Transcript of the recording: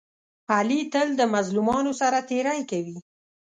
علي تل د مظلومانو سره تېری کوي.